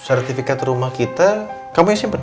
sertifikat rumah kita kamu yang simpen ya